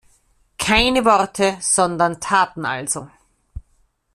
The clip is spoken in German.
Keine Worte, sondern Taten also.